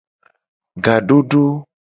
Ga dodo.